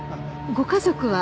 ご家族は？